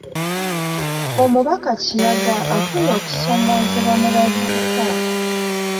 Omubaka Kiyaga afunye okusoomoozebwa mu bavubuka